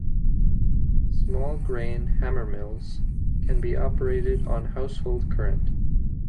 Small grain hammermills can be operated on household current.